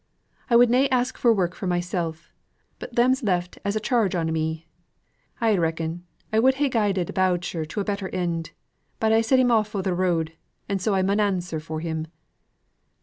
"I would na ask for work for mysel'; but them's left as a charge on me. I reckon, I would ha guided Boucher to a better end; but I set him off o' th' road, and so I mun answer for him."